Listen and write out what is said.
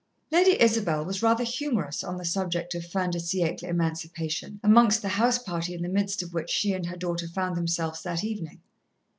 Lady Isabel was rather humorous on the subject of fin de siècle emancipation, amongst the house party in the midst of which she and her daughter found themselves that evening.